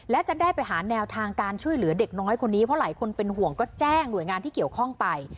และจะได้ไปหาแนวทางการช่วยเหลือเด็กน้อยคนนี้เพราะหลายคนเป็นห่วงก็แจ้งหน่วยงานที่เกี่ยวข้องไป